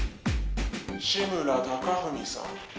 志村貴文さん